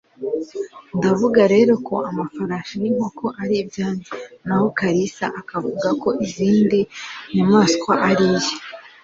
Ndavuga rero ko amafarashi n'inkoko ari ibyanjye naho Kalisa akavuga ko izindi nyamaswa ari iye.